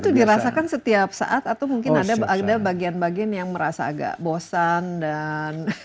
itu dirasakan setiap saat atau mungkin ada bagian bagian yang merasa agak bosan dan